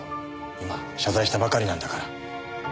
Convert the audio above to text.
今謝罪したばかりなんだから。